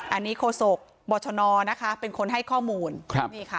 อันนี้โคศกบชนนะคะเป็นคนให้ข้อมูลครับนี่ค่ะ